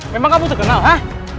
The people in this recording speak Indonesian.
memang kamu terkenal ha